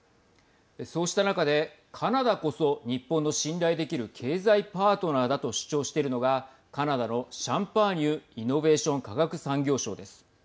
そうした中で、カナダこそ日本の信頼できる経済パートナーだと主張しているのがカナダのシャンパーニュイノベーション・科学・産業相です。